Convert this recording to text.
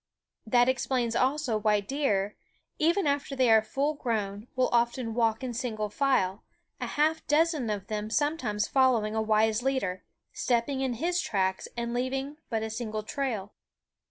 That explains also why deer, even after they are full grown, will often walk in single file, a half dozen of them sometimes following a wise leader, stepping in his tracks and leav ing but a single trail.